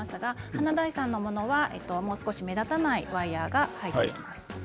華大さんのものはもう少し目立たないワイヤーがついています。